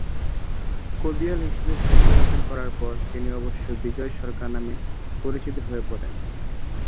কবিয়াল হিসেবে খ্যাতি অর্জন করার পর তিনি অবশ্য বিজয় সরকার নামে পরিচিত হয়ে পড়েন।